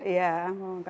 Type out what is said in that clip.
mau mau kesibuk ya